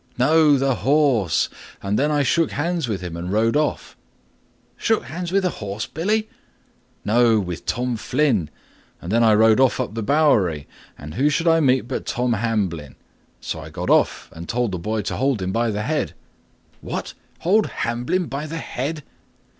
"No, the horse; and then I shook hands with him and rode off." "Shook hands with the horse, Billy?" "No, with Tom Flynn; and then I rode off up the Bowery, and who should I meet but Tom Hamblin; so I got off and told the boy to hold him by the head." "What! hold Hamblin by the head?"